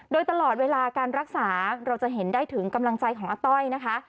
โดยตลอดเวลาการรักษาเราจะเห็นได้ถึงกำลังใจของอาต้อยนะคะ